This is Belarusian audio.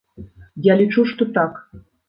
Я лічу, што так.